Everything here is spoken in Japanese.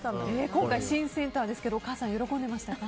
今回、新センターですがお母さん喜んでいましたか？